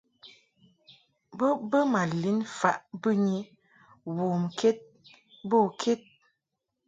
Bo bə ma lin faʼ bɨnyi womked bo ked.